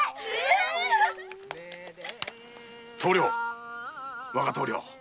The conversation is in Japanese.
棟梁若棟梁。